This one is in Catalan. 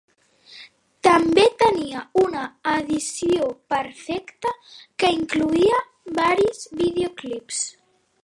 També tenia una "Edició Perfecte" que incloïa varis videoclips.